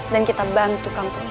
dan kita bantu kampung ini